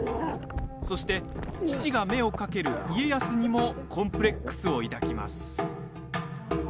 そして、父が目をかける家康にもコンプレックスを抱きます。